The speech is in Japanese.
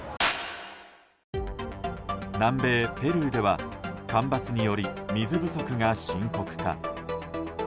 南米ペルーでは干ばつにより水不足が深刻化。